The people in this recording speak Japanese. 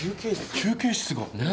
休憩室が何？